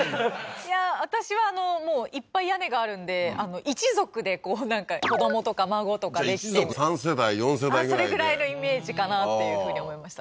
いや私はもういっぱい屋根があるんで一族でこうなんか子どもとか孫とかじゃあ一族３世代４世代ぐらいであっそれぐらいのイメージかなっていうふうに思いました